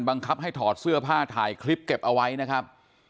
บังคับให้ถอดเสื้อผ้าถ่ายคลิปเก็บเอาไว้นะครับ